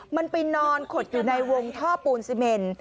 มันไปนอนขดอยู่ในวงท่อปูนซีเมน